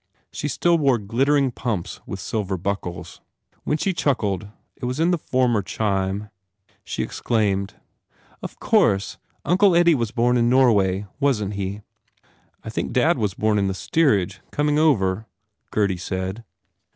She still wore glittering pumps with silver buckles. When she chuckled it was in the former chime. She ex claimed, "Of course! Uncle Eddie was born in Norway, wasn t he?" "I think dad was born in the steerage, coming over," Gurdy said.